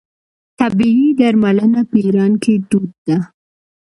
طبیعي درملنه په ایران کې دود ده.